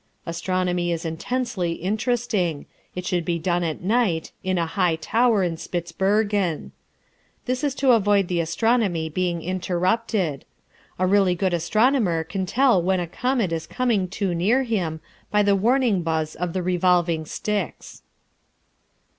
Astronomy is intensely interesting; it should be done at night, in a high tower in Spitzbergen. This is to avoid the astronomy being interrupted. A really good astronomer can tell when a comet is coming too near him by the warning buzz of the revolving sticks.